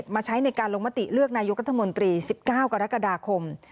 มาใช้ในการลงมติเลือกนายกรัฐมนตรี๑๙กรกฎาคม